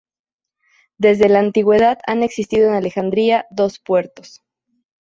Desde la antigüedad han existido en Alejandría dos puertos.